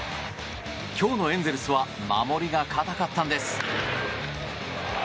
今日のエンゼルスは守りが堅かったんです。